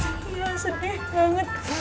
iya sedih banget